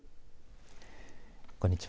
こんにちは。